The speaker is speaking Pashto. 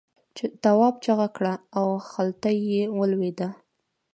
تواب چیغه کړه او خلته یې ولوېده.